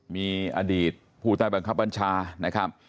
มีอดีตผู้ใต้บังคับบัญชานะครับ